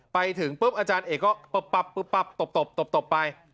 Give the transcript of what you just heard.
ไปถึงปุ๊บอาจารย์เอกก็ปับตบไป